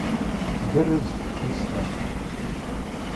Tgerrez teftist-a.